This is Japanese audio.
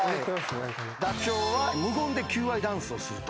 ダチョウは無言で求愛ダンスをすると。